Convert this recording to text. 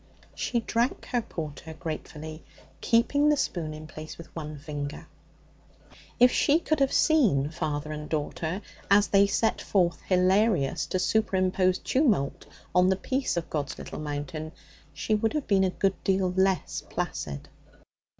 She drank her porter gratefully, keeping the spoon in place with one finger. If she could have seen father and daughter as they set forth, hilarious, to superimpose tumult on the peace of God's Little Mountain, she would have been a good deal less placid.